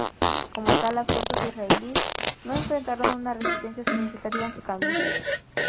Como tal, las fuerzas israelíes no enfrentaron una resistencia significativa en su camino.